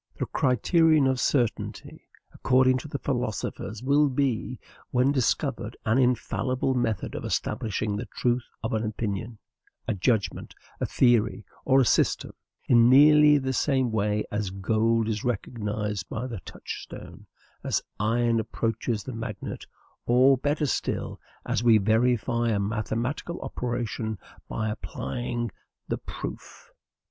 The criterion of certainty, according to the philosophers, will be, when discovered, an infallible method of establishing the truth of an opinion, a judgment, a theory, or a system, in nearly the same way as gold is recognized by the touchstone, as iron approaches the magnet, or, better still, as we verify a mathematical operation by applying the PROOF.